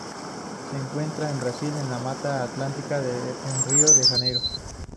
Se encuentra en Brasil en la Mata Atlántica en Rio de Janeiro.